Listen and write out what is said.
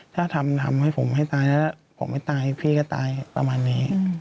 ถ้าทำให้ผมให้ตายแล้วผมไม่ตายพี่ก็ตายประมาณนี้